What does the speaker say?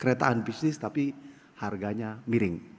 keretaan bisnis tapi harganya miring